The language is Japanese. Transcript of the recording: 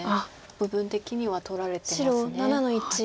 部分的には取られてます。